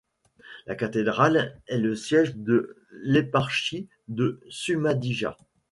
La cathédrale est le siège de l'éparchie de Šumadija.